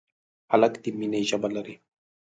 هلک د مینې ژبه لري.